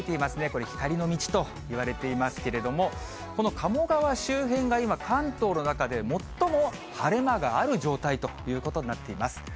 これ、光の道と言われていますけれども、この鴨川周辺が今、関東の中で最も晴れ間がある状態ということになっています。